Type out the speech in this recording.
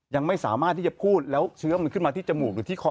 ยังไม่สามารถที่จะพูดแล้วเชื้อมันขึ้นมาที่จมูกหรือที่คอ